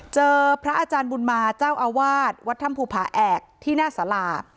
เจอพระอาจารย์บุญมาเจ้าอาวาทวัดธรรมภูมิผู้ผ่าแอบที่น่าสล่า